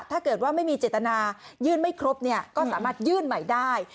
ถ้าเกิดว่าไม่มีเจตนายื่นไม่ครบก็สามารถยื่นใหม่ได้